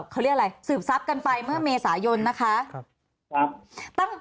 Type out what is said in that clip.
เขาเรียกอะไรสืบทรัพย์กันไปเมื่อเมษายนนะคะ